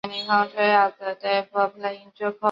她很担心大儿子